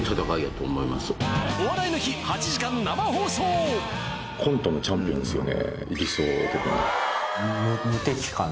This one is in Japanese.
「お笑いの日」８時間生放送コントのチャンピオンですよね